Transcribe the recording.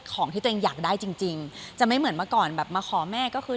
ของที่ตัวเองอยากได้จริงจริงจะไม่เหมือนเมื่อก่อนแบบมาขอแม่ก็คือ